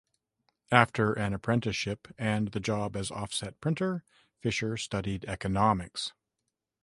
After an apprenticeship and the job as offset printer Fischer studied economics.